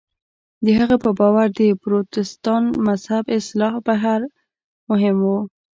د هغه په باور د پروتستان مذهب اصلاح بهیر مهم و.